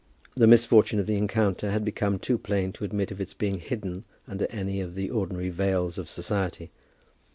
The misfortune of the encounter had become too plain to admit of its being hidden under any of the ordinary veils of society.